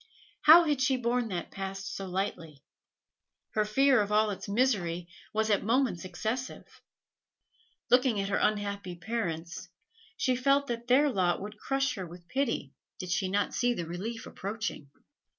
How had she borne that past so lightly? Her fear of all its misery was at moments excessive. Looking at her unhappy parents, she felt that their lot would crush her with pity did she not see the relief approaching.